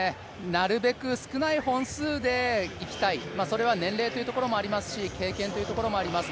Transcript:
なるべく少ない本数でいきたい、それは年齢というところもありますし、経験というところもあります。